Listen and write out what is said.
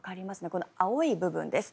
この青い部分です。